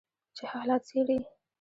چې حالات څیړي